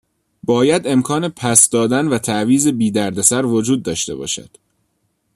باید امکان پس دادن و تعویض بی دردسر وجود داشته باشد.